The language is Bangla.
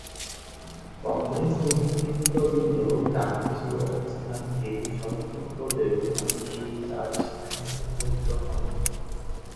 কংগ্রেস নেতৃবৃন্দ গান্ধীজির অবস্থানকে সমর্থন করলেও অনেকেই তাঁর সিদ্ধান্তে ক্ষুব্ধ হন।